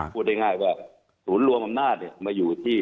พูดได้ง่ายว่าสูงรวมอำนะมาอยู่ที่